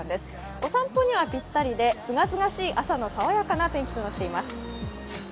お散歩にはぴったりですがすがしい朝の爽やかな天気になっています。